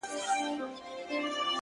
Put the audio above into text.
ژوند چي د عقل په ښکلا باندې راوښويدی!!